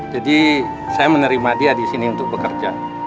jadi saya menerima dia disini untuk bekerja